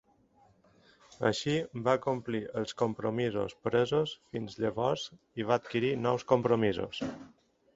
Així, va complir els compromisos presos fins llavors i va adquirir nous compromisos.